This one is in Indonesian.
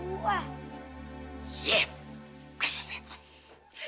ini yang harus diberikan mak